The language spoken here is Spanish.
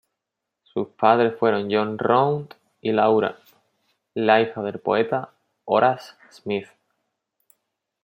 Sus padres fueron John Round y Laura, la hija del poeta Horace Smith.